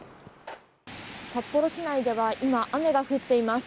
札幌市内では今、雨が降っています。